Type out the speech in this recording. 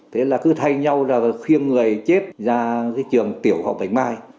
thế là cứ thay nhau ra và khuyên người chết ra trường tiểu học bạch mai